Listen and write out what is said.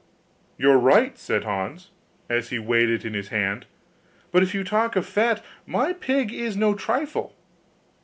'You're right,' said Hans, as he weighed it in his hand; 'but if you talk of fat, my pig is no trifle.